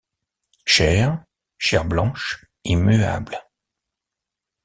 Chair: chair blanche, immuable.